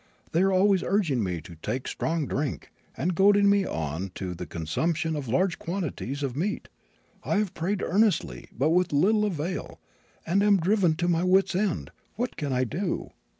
They are always urging me to take strong drink, and goading me on to the consumption of large quantities of meat. I have prayed earnestly, but with little avail, and am driven to my wits' end. What can I do?"